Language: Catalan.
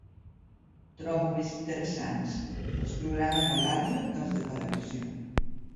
Trobo més interessants els programes de ràdio que els de televisió